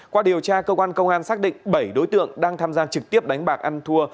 qua điều tra cơ quan công an xác định bảy đối tượng đang tham gia trực tiếp đánh bạc ăn thua